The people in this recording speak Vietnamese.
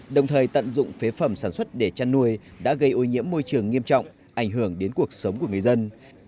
đồng thời tận dụng phế phẩm sản xuất để chăn nuôi đã gây ô nhiễm môi trường nghiêm trọng ảnh hưởng đến cuộc sống của người dân